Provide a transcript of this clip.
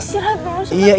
istirahat dulu surata